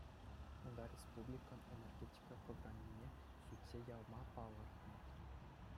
Унта республикӑн энергетика программине сӳтсе явма палӑртнӑ.